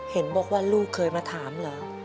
เห็นบอกว่าลูกเคยมาถามเหรอ